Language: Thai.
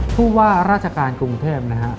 ผู้ว่าราชการกรุงเทพนะฮะ